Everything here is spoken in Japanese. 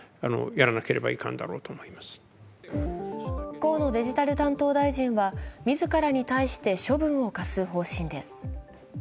河野デジタル大臣は自らに対して処分を科す方針です。